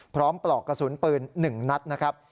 ปลอกกระสุนปืน๑นัดนะครับ